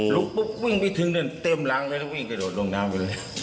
รุกปุ๊บวิ่งไปถึงได้เต็มล้ำไปแล้ววิ่งกระโดดลงน้ำไปเลย